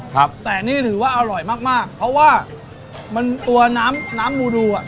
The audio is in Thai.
ครับแต่นี่ถือว่าอร่อยมากมากเพราะว่ามันตัวน้ำน้ำมูดูอ่ะ